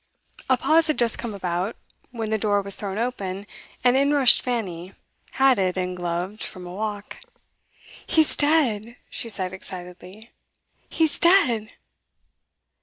A pause had just come about, when the door was thrown open, and in rushed Fanny, hatted and gloved from a walk. 'He's dead!' she said excitedly. 'He's dead!